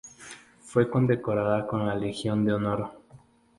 Fue condecorada con la Legión de Honor.